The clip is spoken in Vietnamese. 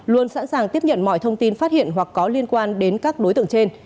luôn sẵn sàng tiếp nhận mọi thông tin phát hiện hoặc có liên quan đến các đối tượng trên